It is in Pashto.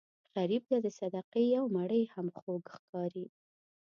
غریب ته د صدقې یو مړۍ هم خوږ ښکاري